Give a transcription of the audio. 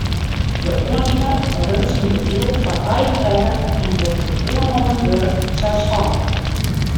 De oannimmer runt syn bedriuw foar eigen rekken en docht it oannommen wurk selsstannich.